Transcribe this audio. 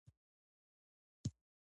دا له مهال ویش سره د اهدافو ټاکل دي.